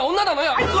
あいつは！